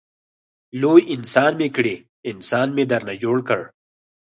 لوی انسان مې کړې انسان مې درنه جوړ کړ.